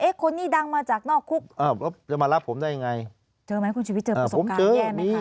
เอ๊ะคนนี้ดังมาจากนอกคุกจะมารับผมได้ยังไงเจอมั้ยคุณชุวิตเจอประสบการณ์แย่ไหมคะ